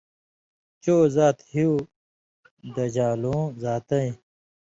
چو زیات ہیُو دژان٘لو ذاتے۔